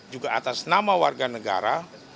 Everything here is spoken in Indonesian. juga atas nama warga negara